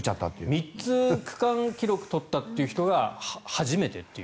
３つ区間記録を取ったって人が初めてっていう。